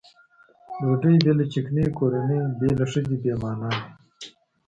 ډوډۍ بې له چکنۍ کورنۍ بې له ښځې بې معنا دي.